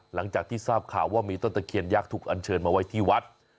หลังจากที่ทราบข่าวว่ามีต้นตะเคียนยักษ์ถูกอันเชิญมาไว้ที่วัด